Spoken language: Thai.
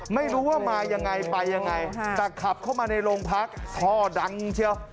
ไม่รู้ว่ามายังไงไปยังไงแต่ขับเข้ามาในโรงพักท่อดังเชียว